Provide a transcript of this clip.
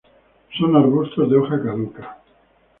Son arbustos de hoja caduca.